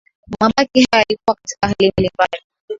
mabaki hayo yalikuwa katika hali mbalimbali